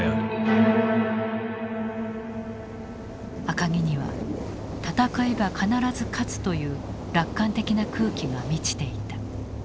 赤城には戦えば必ず勝つという楽観的な空気が満ちていた。